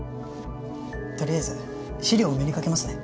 とりあえず資料をお目にかけますね